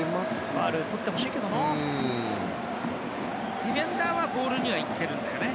ディフェンダーはボールに行ってるね。